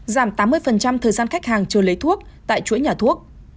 giảm tám mươi thời gian khách hàng chưa lấy thuốc tại chuỗi nhà thuốc